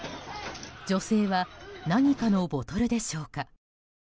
女性は何かのボトルでしょうか。